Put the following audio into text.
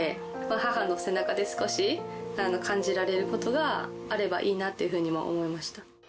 母の背中で少し感じられることがあればいいなっていうふうにも思いました。